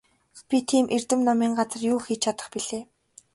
Би тийм эрдэм номын газар юу хийж чадах билээ?